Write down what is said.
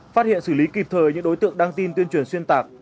phát hiện xử lý kịp thời những đối tượng đăng tin tuyên truyền xuyên tạc